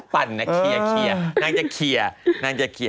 ปั่นน่ะเคียร์นางจะเคียร์